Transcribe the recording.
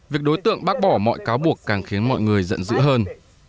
việc đối tượng bác bỏ mọi cáo buộc càng khiến mọi người giận dữ hơn